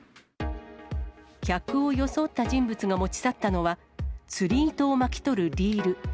客を装った人物が持ち去ったのは、釣り糸を巻き取るリール。